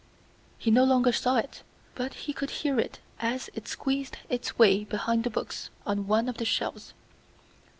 He no longer saw it, but he could hear it as it squeezed its way behind the books on one of the shelves.